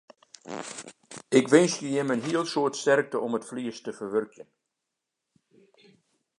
Ik winskje jimme in heel soad sterkte om it ferlies te ferwurkjen.